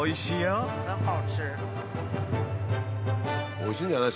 おいしいんじゃない？